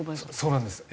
そうなんです。